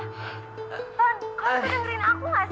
don kamu tuh dengerin aku gak sih